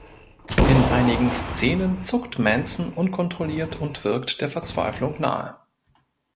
In einigen Szenen zuckt Manson unkontrolliert und wirkt der Verzweiflung nahe.